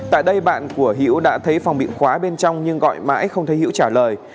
tại đây bạn của hiễu đã thấy phòng bị khóa bên trong nhưng gọi mãi không thấy hữu trả lời